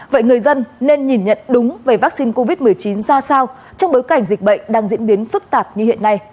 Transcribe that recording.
vậy người dân nên nhìn nhận đúng về vaccine covid một mươi chín ra sao trong bối cảnh dịch bệnh đang diễn biến phức tạp như hiện nay